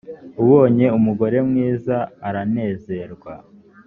ubonye umugore mwiza aranezerwa